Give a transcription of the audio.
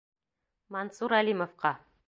Мансур Әлимовҡа.